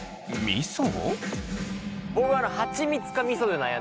みそ。